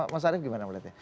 mas arief gimana melihatnya